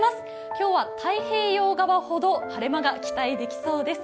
今日は太平洋側ほど晴れ間が期待できそうです。